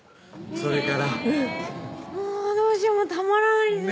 それからどうしようたまらないです